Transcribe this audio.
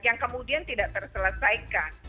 yang kemudian tidak terselesaikan